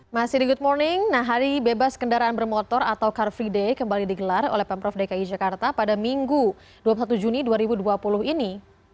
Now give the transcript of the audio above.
masih di good morning hari bebas kendaraan bermotor atau car free day kembali digelar oleh pemprov dki jakarta pada minggu dua puluh satu juni dua ribu dua puluh ini